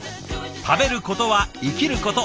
食べることは生きること。